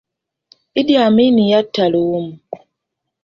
Idi Amin yatta Luwum.